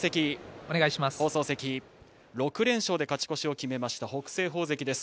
６連勝で勝ち越しを決めた北青鵬関です。